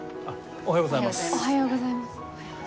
おはようございます。